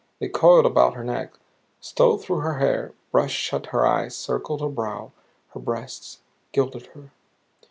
They coiled about her neck, stole through her hair, brushed shut her eyes, circled her brow, her breasts, girdled her.